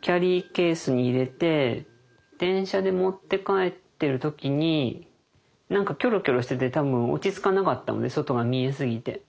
キャリーケースに入れて電車で持って帰ってる時に何かキョロキョロしてて多分落ち着かなかったので外が見え過ぎて。